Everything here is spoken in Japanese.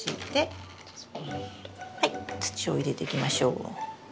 土を入れていきましょう。